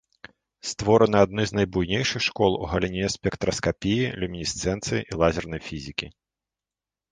Створаны адны з найбуйнейшых школ у галіне спектраскапіі, люмінесцэнцыі і лазернай фізікі.